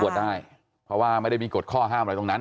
ได้เพราะว่าไม่ได้มีกฎข้อห้ามอะไรตรงนั้น